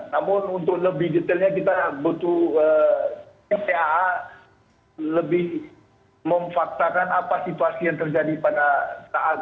namun untuk lebih detailnya kita butuh kpa lebih memfaktakan apa situasi yang terjadi pada saat